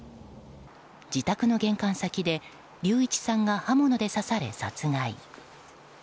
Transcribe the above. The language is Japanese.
自宅の玄関先で隆一さんが刃物で刺され殺害。